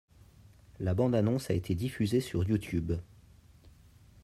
La bande-annonce a été diffusée sur YouTube.